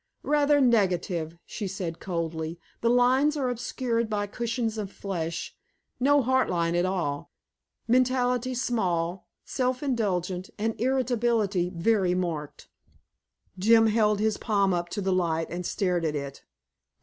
"Rather negative," she said coldly. "The lines are obscured by cushions of flesh; no heart line at all, mentality small, self indulgence and irritability very marked." Jim held his palm up to the light and stared at it.